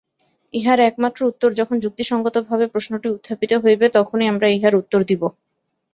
ইহার একমাত্র উত্তর যখন যুক্তিসঙ্গতভাবে প্রশ্নটি উত্থাপিত হইবে, তখনই আমরা ইহার উত্তর দিব।